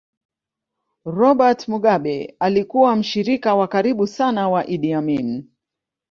Robert Mugabe alikuwa mshirika wa karibu sana wa Idi Amin